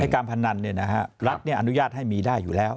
การพนันเนี่ยนะฮะรัฐเนี่ยอนุญาตให้มีได้อยู่แล้ว